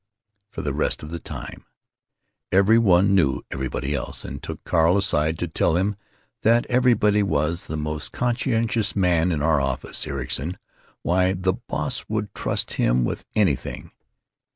For the rest of the time: Every one knew everybody else, and took Carl aside to tell him that everybody was "the most conscientious man in our office, Ericson; why, the Boss would trust him with anything."